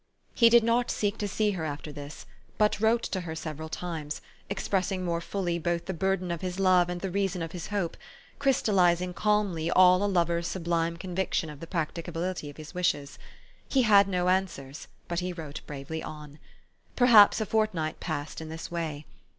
He did not seek to see her after this, but wrote to her several tunes, expressing more fully both the burden of his love and the reason of his hope, crys tallizing calmly all a lover's sublime conviction of the practicability of his wishes. He had no answers ; but he wrote bravely on. Perhaps a fortnight passed in this way.